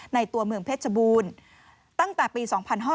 ตัวเมืองเพชรบูรณ์ตั้งแต่ปี๒๕๕๙